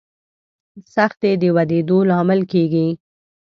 سختي د ودرېدو لامل کېږي.